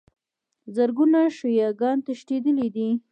زرګونو شیعه ګان تښتېدلي دي.